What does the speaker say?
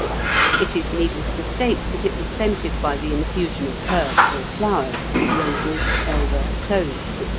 It is needless to state that it was scented by the infusion of herbs or flowers roses, elder, cloves, &c.